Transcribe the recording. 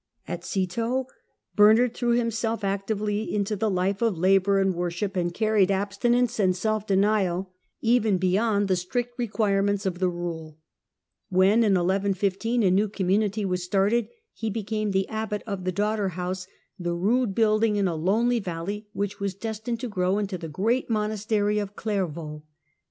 At Citeaux Bernard threw himself eagerly into the life of 116 THE CENTRAL PERIOD OF THE MIDDDE AGE labour and worship and carried abstinence and self denial even beyond the strict requirements of the rule. When in 1115 a new community was started, he became the abbot of the daughter house, the rude building in a lonely valley which was destined to grow into the great monastery of Clairvaux.